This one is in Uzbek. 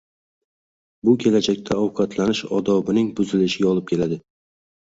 bu kelajakda ovqatlanish odobining buzilishiga olib keladi.